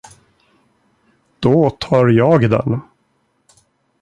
Då tar jag den.